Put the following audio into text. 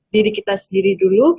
diri kita sendiri dulu